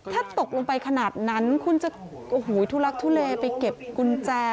ถ้าตกลงไปขนาดนั้นคุณจะโอ้โหทุลักทุเลไปเก็บกุญแจ